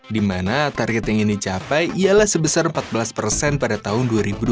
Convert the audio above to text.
di mana target yang ingin dicapai ialah sebesar empat belas persen pada tahun dua ribu dua puluh